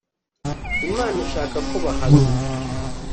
imana ishaka ko bahanwa